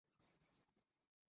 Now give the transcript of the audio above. কেউ দরজার বেল বাজাচ্ছে।